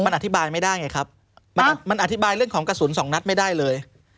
มันอธิบายไม่ได้ไงครับมันอธิบายเรื่องของกระสุนสองนัดไม่ได้เลย